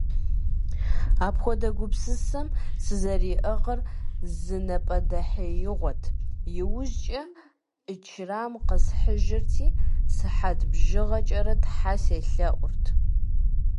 Апхуэдэ гупсысэм сызэриӀыгъыр зы напӀэдэхьеигъуэт, иужькӀэ Ӏичрам къэсхьыжырти, сыхьэт бжыгъэкӀэрэ Тхьэ селъэӀурт!